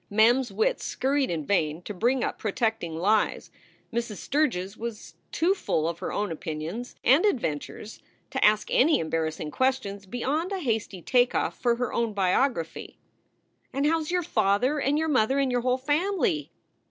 Mem s wits scurried in vain to bring up protecting lies. Mrs. Sturgs was too full of her own opinions and adventures to ask any embarrassing questions beyond a hasty take off for her own biography: "And how s your father and your mother and your whole fambly?